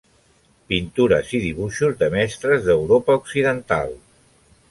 Pintures i dibuixos de mestres d'Europa occidental.